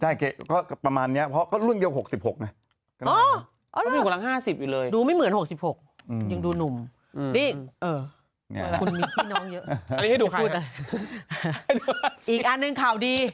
ใช่เก๊ก็ประมาณนี้เพราะรุ่นเดียว๖๖น่ะ